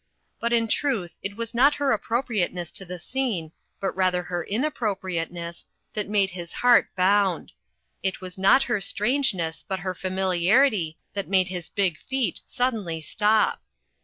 But in truth it was not her appropriateness to the scene, but rather her inappropriateness, that made his heart bound. It was not her strangeness but her familiarity that made his big feet suddenly stop.